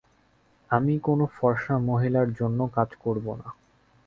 আমি কোনো ফর্সা মহিলার জন্যও কাজ করবো না।